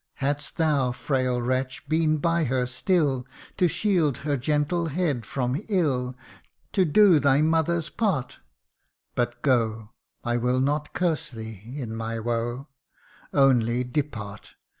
Hadst thou, frail wretch, been by her still, To shield her gentle head from ill To do thy mother's part but go I will not curse thee, in my woe : Only, depart